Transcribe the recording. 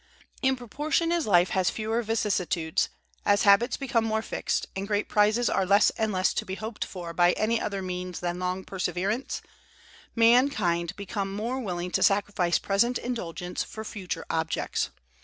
In proportion as life has fewer vicissitudes, as habits become more fixed, and great prizes are less and less to be hoped for by any other means than long perseverance, mankind become more willing to sacrifice present indulgence for future objects.